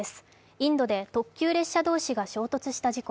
インドで特急列車同士が衝突した事故。